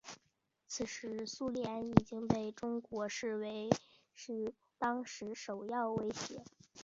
此时苏联已经被中国视为是当时首要威胁。